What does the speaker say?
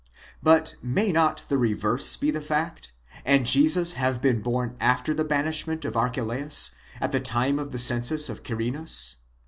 But may not the reverse be the fact, and Jesus have been born after the banishment of Archelaus, and at the time of the census of Quirinus?